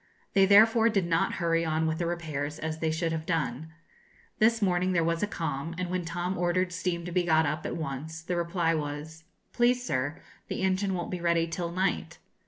They therefore did not hurry on with the repairs as they should have done. This morning there was a calm, and when Tom ordered steam to be got up at once, the reply was, 'Please, sir, the engine won't be ready till night.'